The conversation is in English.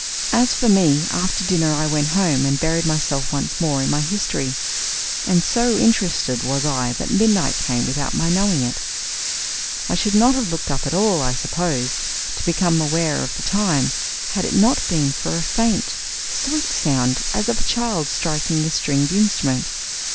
As for me, after dinner I went home and buried myself once more in my history, and so interested was I that midnight came without my knowing it. I should not have looked up at all, I suppose, to become aware of the time, had it not been for a faint, sweet sound as of a child striking a stringed instrument.